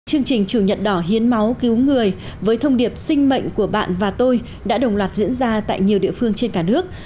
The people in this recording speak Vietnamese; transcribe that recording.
chương trình chủ nhật đỏ hiến máu cứu người với thông điệp sinh mệnh của bạn và tôi đã đồng loạt diễn ra tại nhiều địa phương trên cả nước